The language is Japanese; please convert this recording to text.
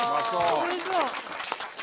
おいしそう。